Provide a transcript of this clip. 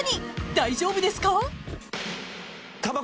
［大丈夫ですか？］